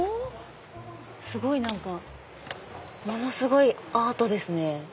すごい何かものすごいアートですね。